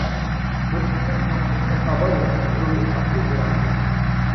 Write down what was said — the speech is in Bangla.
মসজিদের সম্পূর্ণ অবয়ব রঙিন পাথরে মোড়ানো।